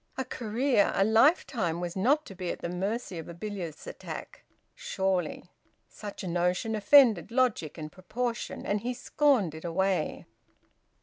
A career, a lifetime, was not to be at the mercy of a bilious attack, surely! Such a notion offended logic and proportion, and he scorned it away.